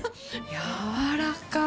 やわらかい！